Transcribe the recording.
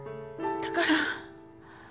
だから。